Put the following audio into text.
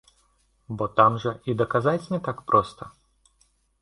Бо там жа і даказаць не так проста.